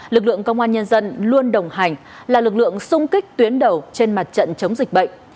lực lượng công an nhân dân luôn đồng hành là lực lượng sung kích tuyến đầu trên mặt trận chống dịch bệnh